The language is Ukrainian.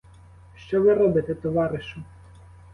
Що ви робите, товаришу?